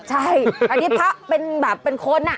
ใช่อันนี้พระเป็นแบบเป็นคน